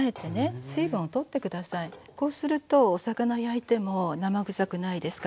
こうするとお魚焼いても生ぐさくないですから。